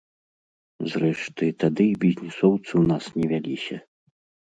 Зрэшты, тады і бізнэсоўцы ў нас не вяліся.